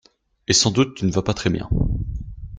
Et sans doute tu ne vas pas très bien.